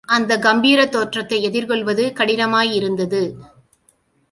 அந்தக் கம்பீரத் தோற்றத்தை எதிர்கொள்வது கடினமாயிருந்தது.